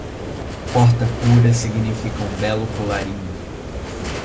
Porta pura significa um belo colarinho.